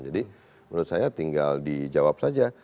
jadi menurut saya tinggal dijawab saja